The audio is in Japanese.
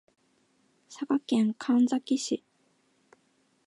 佐賀県神埼市